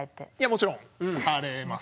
もちろんされます。